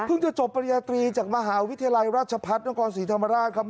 เพิ่งจะจบประญาตรีจากมหาวิทยาลัยราชพัฒน์น้องกรสีธรรมดาครับ